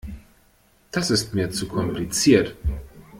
Das ist mir zu kompliziert.